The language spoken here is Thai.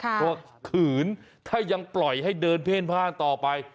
เพราะว่าขืนถ้ายังปล่อยให้เดินเพ่นผ้านต่อไป